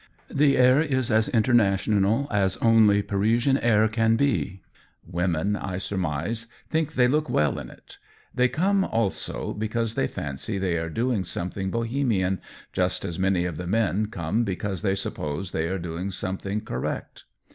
The air is as international as only Parisian air can be ; women, I surmise, think they look well in it; they come, also, because they fancy they are doing something Bohe mian, just as many of the men come because they suppose they are doing something cor rect.